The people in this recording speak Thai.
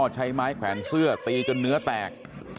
ใช้ไม้แขวนเสื้อตีจนเนื้อแตก